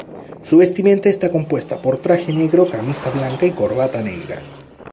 Su vestimenta está compuesta por traje negro, camisa blanca y corbata negra.